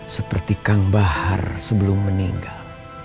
seperti kang bahar sebelum meninggal